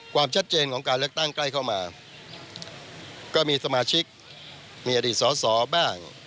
ความชัดเจนของการเลือกตั้งใกล้เข้ามาก็มีสมาชิกมีอดีตสอสอบ้าง